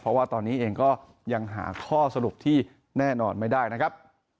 เพราะว่าตอนนี้เองก็ยังหาข้อสรุปที่แน่นอนไม่ได้นะครับ